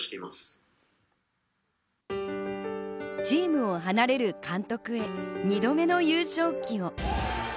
チームを離れる監督へ、２度目の優勝旗を。